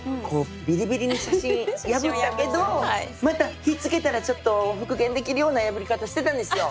ビリビリに写真破ったけどまたひっつけたら復元できるような破り方をしてたんですよ。